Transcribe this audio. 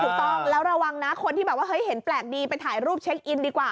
ถูกต้องแล้วระวังนะคนที่แบบว่าเฮ้ยเห็นแปลกดีไปถ่ายรูปเช็คอินดีกว่า